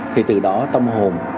thì từ đó tâm hồn